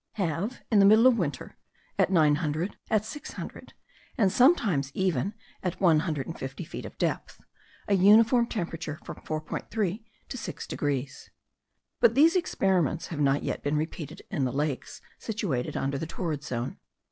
have, in the middle of winter, at nine hundred, at six hundred, and sometimes even at one hundred and fifty feet of depth, a uniform temperature from 4.3 to 6 degrees: but these experiments have not yet been repeated in lakes situated under the torrid zone.